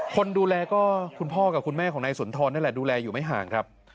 คนดูแลก็คุณพ่อกับคุณแม่ของนายสุนทรนั่นแหละดูแลอยู่ไม่ห่างครับ